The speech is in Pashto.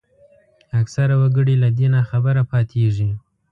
اکثره وګړي له دې ناخبره پاتېږي